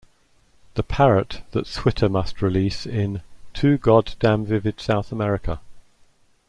The parrot that Switter must release in "too god damn vivid South America".